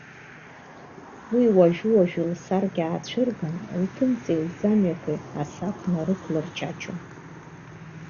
Уи уажәы-уажәы лсаркьа аацәырган, лԥынҵеи лӡамҩақәеи асақә нарықәлырчачон.